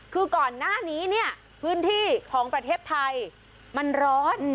คือก่อนหน้านี้เนี่ยพื้นที่ของประเทศไทยมันร้อน